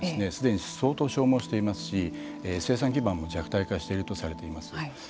例えば、軍事力にしてもすでに相当消耗していますし生産基盤も弱体化しているとされています。